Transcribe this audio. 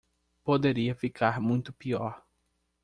Poderia ficar muito pior.